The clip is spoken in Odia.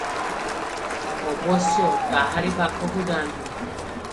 ଅବଶ୍ୟ ତାହାରି ପାଖକୁ ଯାନ୍ତି ।